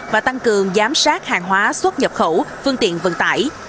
và tăng cường giám sát hàng hóa xuất nhập khẩu phương tiện vận tải